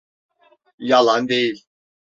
Yalan değil.